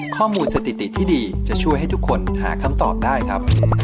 สถิติที่ดีจะช่วยให้ทุกคนหาคำตอบได้ครับ